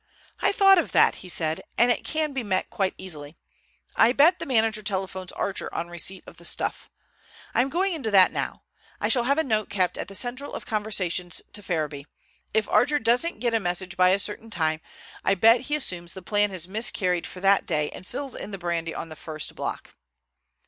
"I thought of that," he said, "and it can be met quite easily. I bet the manager telephones Archer on receipt of the stuff. I am going into that now. I shall have a note kept at the Central of conversations to Ferriby. If Archer doesn't get a message by a certain time, I bet he assumes the plan has miscarried for that day and fills in the brandy on the first block."